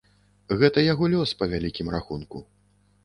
Гэта яго лёс, па вялікім рахунку.